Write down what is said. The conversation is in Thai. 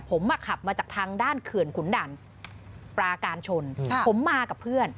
ผมมาขับมาจากทางด้านเขื่อนขุนดันปราการชนผมมากับเพื่อน